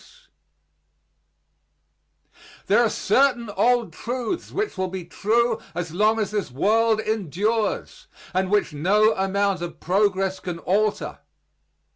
There are certain old truths which will be true as long as this world endures, and which no amount of progress can alter.